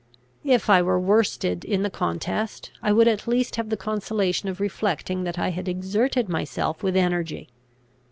If I were worsted in the contest, I would at least have the consolation of reflecting that I had exerted myself with energy.